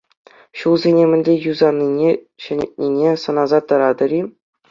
Ҫулсене мӗнле юсанине, ҫӗнетнине сӑнаса тӑратӑр-и?